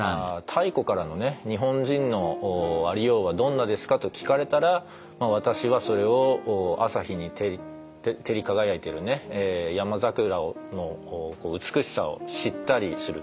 「太古からのね日本人のありようはどんなですか？」と聞かれたら私はそれを朝日に照り輝いてる山桜の美しさを知ったりする。